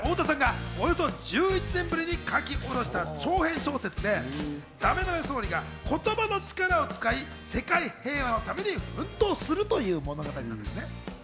こちらは太田さんがおよそ１１年ぶりに書き下ろした長編小説で、ダメダメ総理が言葉の力を使い、世界平和のために奮闘するという物語なんですね。